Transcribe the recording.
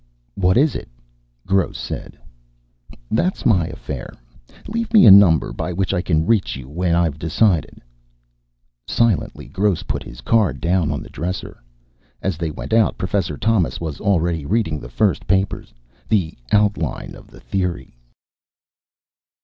"What is it?" Gross said. "That's my affair. Leave me a number by which I can reach you when I've decided." Silently, Gross put his card down on the dresser. As they went out Professor Thomas was already reading the first of the papers, the outline of the theory.